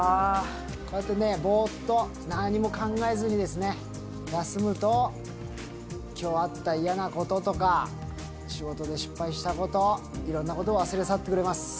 こうやってね、ぼーっと何も考えずに休むと、きょうあった嫌なこととか、仕事で失敗したこと、いろんなことを忘れさせてくれます。